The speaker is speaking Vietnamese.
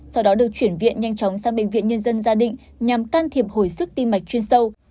sau đó được chuyển viện nhanh chóng sang bệnh viện nhân dân gia định nhằm can thiệp hồi sức tim mạch chuyên sâu